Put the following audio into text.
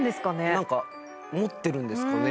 何か持ってるんですかね？